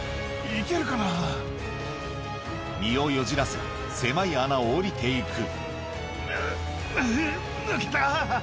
身をよじらせ狭い穴を下りて行くうっ！